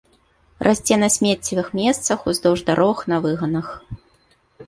Расце на смеццевых месцах, уздоўж дарог, на выганах.